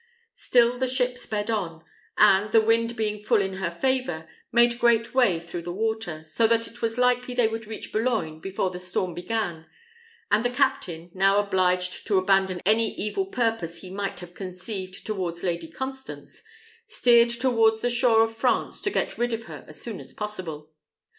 Still the ship sped on, and, the wind being full in her favour, made great way through the water, so that it was likely they would reach Boulogne before the storm began; and the captain, now obliged to abandon any evil purpose he might have conceived towards Lady Constance, steered towards the shore of France to get rid of her as soon as possible.